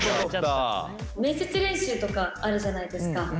面接練習とかあるじゃないですか。